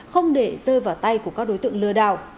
không để rơi vào tay của các đối tượng lừa đảo